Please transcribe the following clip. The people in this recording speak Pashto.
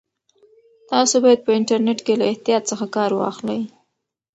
تاسو باید په انټرنیټ کې له احتیاط څخه کار واخلئ.